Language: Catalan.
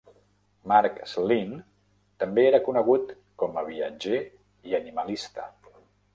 Marc Sleen també era conegut com a viatger i animalista.